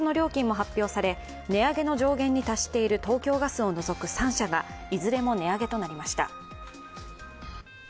また、同じく大手ガス４社の８月の料金も発表され、値上げの上限に達している東京ガスを除く東京電力など３社がいずれも値上げとなりました。